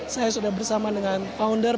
saya sudah bersama dengan founder